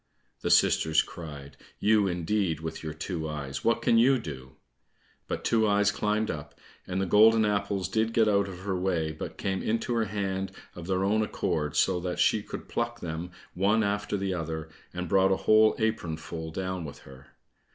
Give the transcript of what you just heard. The sisters cried, "You indeed, with your two eyes, what can you do?" But Two eyes climbed up, and the golden apples did get out of her way, but came into her hand of their own accord, so that she could pluck them one after the other, and brought a whole apronful down with her.